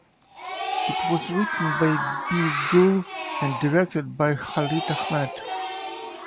It was written by Bee Gul and directed by Khalid Ahmed.